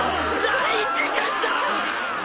大事件だ！